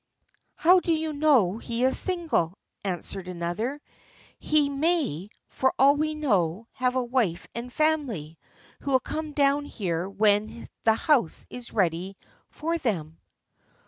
"How do you know he is single?" answered another: "he may, for all we know, have a wife and family, who will come down here when his house is ready for them."